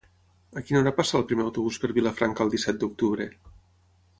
A quina hora passa el primer autobús per Vilafranca el disset d'octubre?